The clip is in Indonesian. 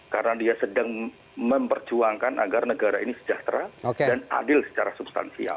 karena dia sedang memperjuangkan agar negara ini sejahtera dan adil secara substansial